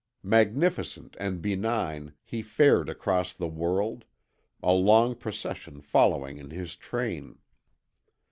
Magnificent and benign, he fared across the world, a long procession following in his train.